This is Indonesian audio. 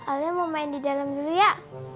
alia mau main di dalam dulu ya